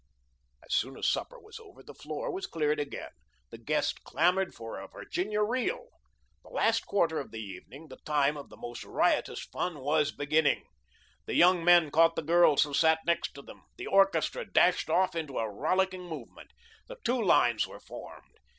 As soon as supper was over, the floor was cleared again. The guests clamoured for a Virginia reel. The last quarter of the evening, the time of the most riotous fun, was beginning. The young men caught the girls who sat next to them. The orchestra dashed off into a rollicking movement. The two lines were formed.